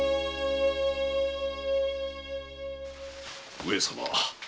上様。